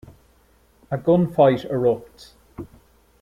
A gunfight erupts.